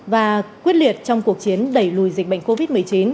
và quyết liệt trong cuộc chiến đẩy lùi dịch bệnh covid một mươi chín